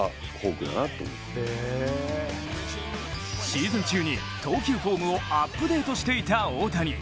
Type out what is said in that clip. シーズン中に投球フォームをアップデートしていた大谷。